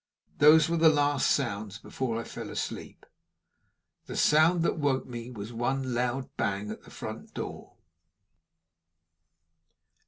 Those were the last sounds before I fell asleep. The sound that woke me was one loud bang at the front door.